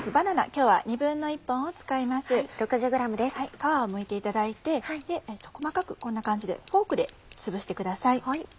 皮をむいていただいて細かくこんな感じでフォークでつぶしてください。